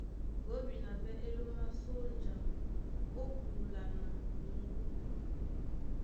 Gɔ́bina pɛ́ á lómá sónja ó púla ná m̀puŋgú.